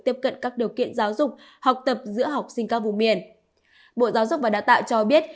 tiếp cận các điều kiện giáo dục học tập giữa học sinh các vùng miền bộ giáo dục và đào tạo cho biết